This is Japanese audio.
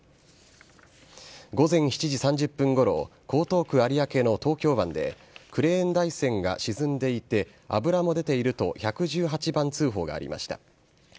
午前７時３０分ごろ、江東区有明の東京湾で、クレーン台船が沈んでいて、油も出ていると１１８番通報がありました。